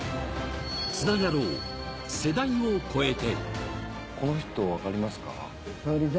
つながろう、世代を超えて。